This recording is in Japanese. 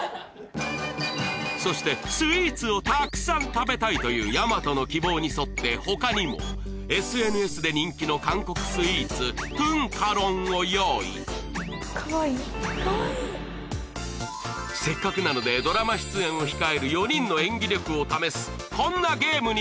そしてスイーツをたくさん食べたいという大和の希望にそって他にもＳＮＳで人気の韓国スイーツトゥンカロンを用意せっかくなのでドラマ出演を控える今からですね